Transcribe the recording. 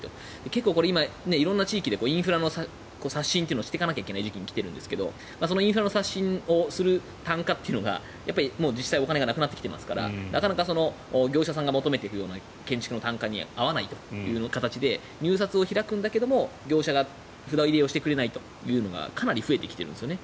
結構今、色んな地域でインフラの刷新っていうのをしていかなきゃいけない時期に来ているんですがインフラの刷新をする単価が実際、お金がなくなってきていますから業者さんが求めていくような建築の単価に合わないという形で入札を開くんだけど業者が札入れをしてくれないというのがかなり増えてきているんですよね